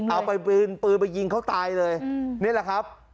เอาไปปืนไปยิงเขาตายเลยนี่แหละครับ